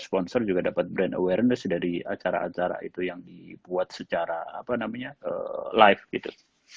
sponsor juga dapat brand awareness dari acara acara itu yang dibuat secara apa namanya live gitu